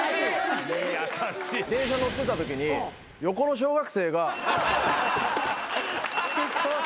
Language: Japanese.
電車乗ってたときに横の小学生が。